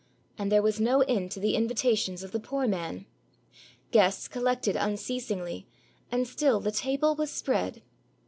"— and there was no end to the invitations of the poor man. Guests collected unceasingly, and still the table was spread.